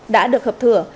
đã được hợp thửa